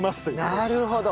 なるほど。